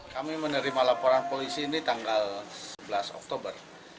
terima laporan polisi ini tanggal sebelas oktober